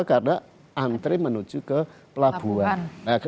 karena antri menuju ke pelabuhan